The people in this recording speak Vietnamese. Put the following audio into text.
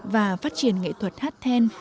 và phát triển nghệ thuật hát then